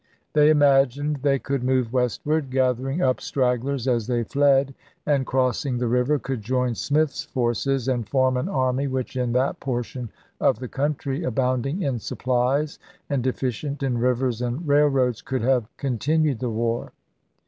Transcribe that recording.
They imagined they could move westward, gather ing up stragglers as they fled, and, crossing the river, could join Smith's forces, and "form an army, which in that portion of the country, abounding in supplies and deficient in rivers and railroads, could have continued the war.